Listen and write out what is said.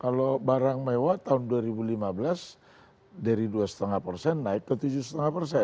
kalau barang mewah tahun dua ribu lima belas dari dua lima persen naik ke tujuh lima persen